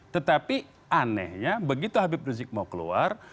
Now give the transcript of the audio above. tetapi anehnya begitu habib rizik mau keluar